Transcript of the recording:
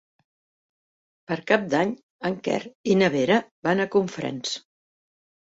Per Cap d'Any en Quer i na Vera van a Cofrents.